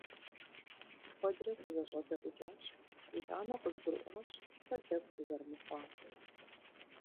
Куэдрэ сызэщӀэдэӀукӀащ, итӀанэ къызгурыӀуащ сэ дэгу сызэрымыхъуар.